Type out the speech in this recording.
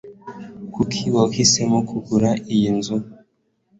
Kuki wahisemo kugura iyi nzu?